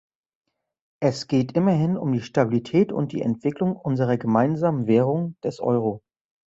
Es geht immerhin um die Stabilität und die Entwicklung unserer gemeinsamen Währung, des Euro.